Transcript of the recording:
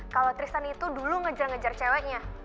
kalau tristan itu dulu ngejar ngejar ceweknya